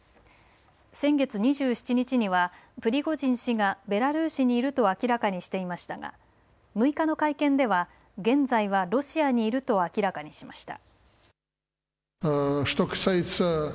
先月２７日にはプリゴジン氏がベラルーシにいると明らかにしていましたが６日の会見では現在はロシアにいると明らかにしました。